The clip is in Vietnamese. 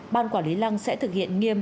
ban quản lý lăng sẽ thực hiện nghiêm